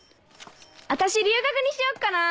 私留学にしよっかな。